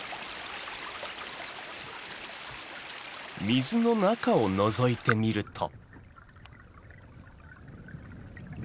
水の中をのぞいてみると。